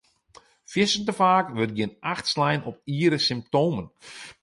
Fierstente faak wurdt gjin acht slein op iere symptomen.